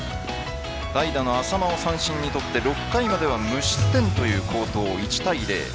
代打の淺間、三振に取って６回までは無失点という好投１対０。